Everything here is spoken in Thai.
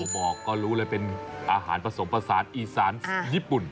บอกก็รู้เลยเป็นอาหารผสมผสานอีสานญี่ปุ่น